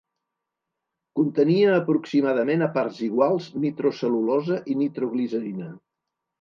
Contenia aproximadament a parts iguals nitrocel·lulosa i nitroglicerina.